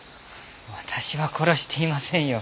私は殺していませんよ。